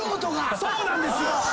そうなんですよ！